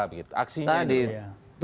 tadi tujuannya adalah